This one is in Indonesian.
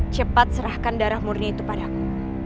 cepat serahkan darah murni itu pada aku